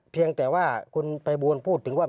เพียงแต่ว่าคุณภัยบูลพูดถึงว่า